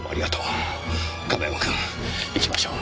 亀山君行きましょう。